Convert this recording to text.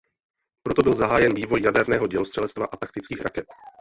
Proto byl zahájen vývoj jaderného dělostřelectva a taktických raket.